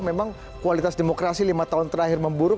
memang kualitas demokrasi lima tahun terakhir memburuk